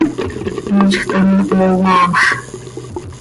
Miizj taa ma, he iyaamx.